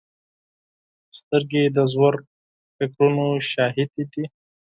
سترګې د ژور فکرونو شاهدې دي